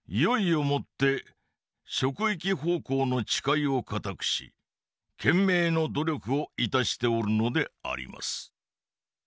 「愈々もって職域奉公の誓いを固くし懸命の努力を致しておるのであります」。